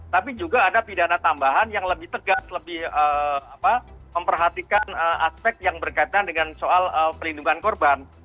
tapi juga ada pidana tambahan yang lebih tegas lebih memperhatikan aspek yang berkaitan dengan soal perlindungan korban